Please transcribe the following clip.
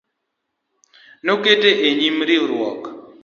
Nokete nyime e riwruok